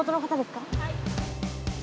はい。